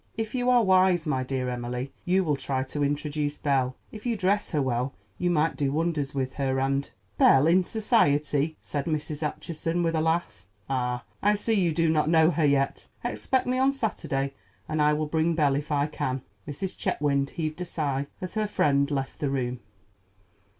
If you are wise, my dear Emily, you will try to introduce Belle. If you dress her well you might do wonders with her, and——" "Belle in society!" said Mrs. Acheson with a laugh. "Ah, I see you do not know her yet. Expect me on Saturday, and I will bring Belle if I can." Mrs. Chetwynd heaved a sigh as her friend left the room.